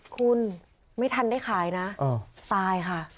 คุณไม่ทันได้ขายนะตายค่ะ